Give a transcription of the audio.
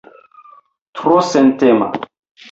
Tro sentema.